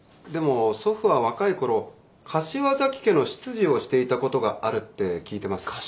でも祖父は若いころ柏崎家の執事をしていたことがあるって聞いてます。